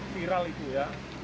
viral itu ya